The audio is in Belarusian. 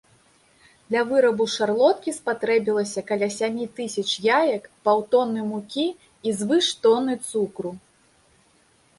Для вырабу шарлоткі спатрэбілася каля сямі тысяч яек, паўтоны мукі і звыш тоны цукру.